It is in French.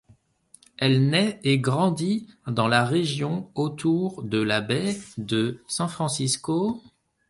Elle naît et grandit dans la région autour de la baie de San Francisco.